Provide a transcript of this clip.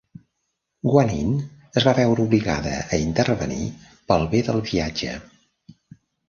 Guanyin es va veure obligada a intervenir pel bé del viatge.